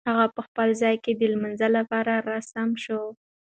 هغه په خپل ځای کې د لمانځه لپاره را سم شو.